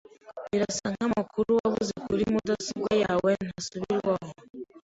Birasa nkamakuru wabuze kuri mudasobwa yawe ntasubirwaho.